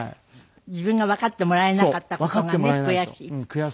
自分がわかってもらえなかった事がね悔しい。